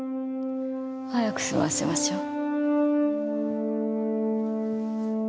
早く済ませましょう。